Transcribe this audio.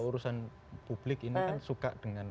urusan publik ini kan suka dengan